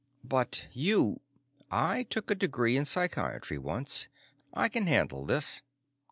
"But you " "I took a degree in psychiatry once. I can handle this."